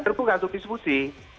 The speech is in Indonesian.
terbuka untuk diskusi